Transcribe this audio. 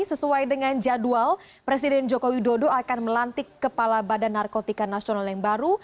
sesuai dengan jadwal presiden joko widodo akan melantik kepala badan narkotika nasional yang baru